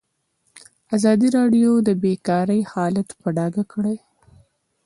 ازادي راډیو د بیکاري حالت په ډاګه کړی.